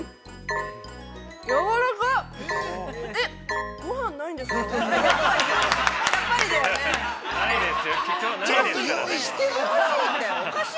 やわらかい。